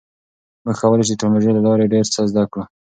موږ کولی شو د ټکنالوژۍ له لارې ډیر څه زده کړو.